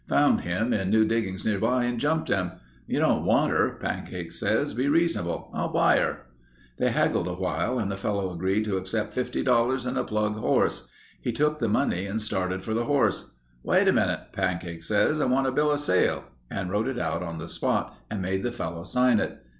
Found him in new diggings nearby and jumped him. 'You don't want her,' Pancake says. 'Be reasonable. I'll buy her.' "They haggled awhile and the fellow agreed to accept $50 and a plug horse. He took the money and started for the horse. "'Wait a minute,' Pancake says, 'I want a bill of sale,' and wrote it out on the spot, and made the fellow sign it.